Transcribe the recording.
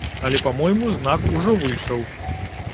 Але па-мойму знак ужо выйшаў.